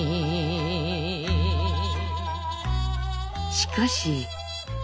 しかし。